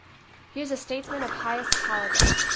He is a statesman of highest calibre.